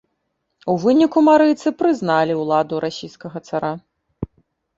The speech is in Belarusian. У выніку марыйцы прызналі ўладу расійскага цара.